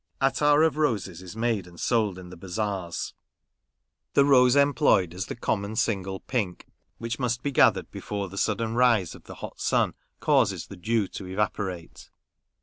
Attar of roses is made and sold in the bazaars ; the rose employed is the common single pink, which must be gathered before the sudden rise of the hot sun causes the dew to evaporate.